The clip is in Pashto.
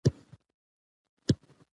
د لمانځغونډې په اړه